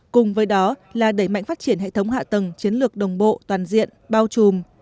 cùng với đó là đẩy mạnh phát triển hệ thống hạ tầng chiến lược đồng bộ toàn diện bao trùm